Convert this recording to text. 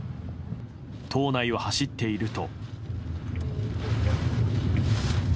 島内を走っていると。